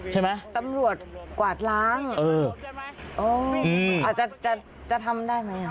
ใช่ไหมตำรวจกวาดล้างเอออาจจะจะทำได้ไหมอ่ะ